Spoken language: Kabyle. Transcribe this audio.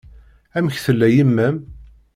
Amek tella yemma-m?